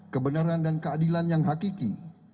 kebenaran dan keadilan yang hakiki